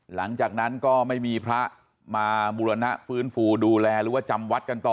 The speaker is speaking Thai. หลังจากนั้นก็ไม่มีพระมาบุรณะฟื้นฟูดูแลหรือว่าจำวัดกันต่อ